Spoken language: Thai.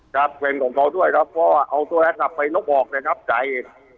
ครับเวรของเขาด้วยครับเพราะว่าเอาโทรศัพท์ไปลบออกเลยครับจ่ายเหตุ